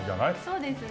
そうですね。